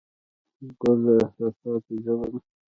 ګل د احساساتو ژبه ده.